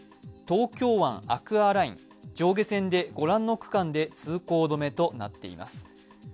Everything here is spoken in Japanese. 東京湾アクアライン、上下線でご覧の区間で通行止めとなっています。